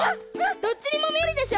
どっちにもみえるでしょ？